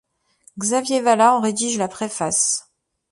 Xavier Vallat en rédige la préface.